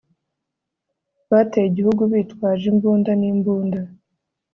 bateye igihugu bitwaje imbunda n'imbunda